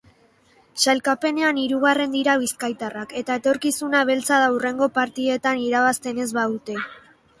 Sailkapenean hirugarren dira bizkaitarrak eta etorkizuna beltza da hurrengo partidetan irabazten ez badute.